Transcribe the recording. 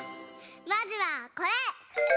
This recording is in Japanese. まずはこれ！